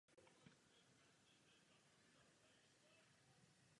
Nejlepší období k výstupu je jaro.